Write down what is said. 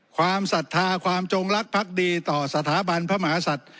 ความศรัทธาความจงลักษณ์พักดีต่อสถาบันพมหาศัตริย์